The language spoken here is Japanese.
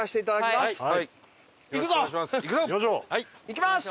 行きます！